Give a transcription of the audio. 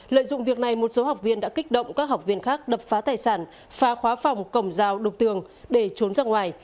lợi dụng việc này một số học viên đã kích động các học viên khác đập phá tài sản phá khóa phòng cổng rào đục tường để trốn ra ngoài